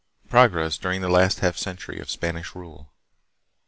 Progress during the Last Half Century of Spanish Rule.